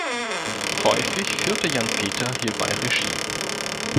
Häufig führte Jan Peter hierbei Regie.